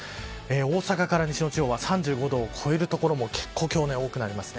大阪から西の地方は３５度を超える所も結構、今日は多くなります。